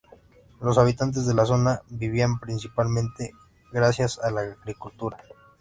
Los habitantes de la zona vivían principalmente gracias a la agricultura.